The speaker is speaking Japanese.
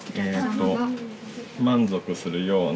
満足するような。